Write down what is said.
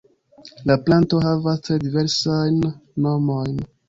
La planto havas tre diversajn nomojn.